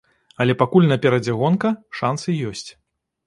Але пакуль наперадзе гонка, шансы ёсць.